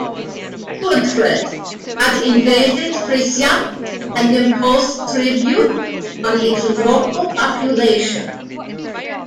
Gudfred had invaded Frisia and imposed tribute on its local population.